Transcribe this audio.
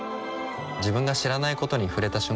自分が知らないことに触れた瞬間